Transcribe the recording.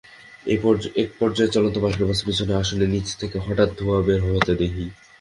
একপর্যায়ে চলন্ত মাইক্রোবাসের পেছনের আসনের নিচ থেকে হঠাৎ ধোঁয়া বের হতে দেখি।